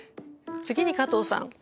次に加藤さん